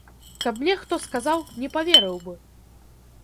Каб мне хто сказаў, не паверыў бы.